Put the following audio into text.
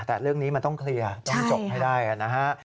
แต่เรื่องนี้มันต้องเคลียร์ต้องจบให้ได้นะฮะ